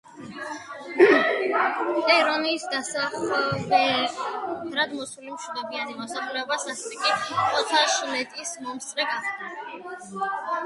პერონის დასახვედრად მოსული მშვიდობიანი მოსახლეობა სასტიკი ხოცვა-ჟლეტის მომსწრე გახდა.